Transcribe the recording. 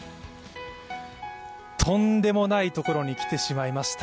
とんでもないところに来てしまいました。